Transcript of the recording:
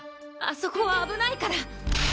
あそこは危ないから。